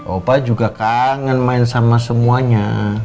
opa juga kangen main sama semuanya